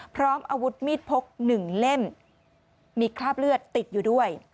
พร้อมอาวุธมีดพกหนึ่งเล่มมีคราบเลือดติดอยู่ด้วย